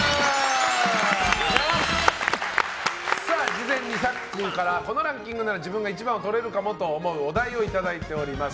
事前にさっくんからこのランキングなら自分が１番をとれるかもと思うお題をいただいております。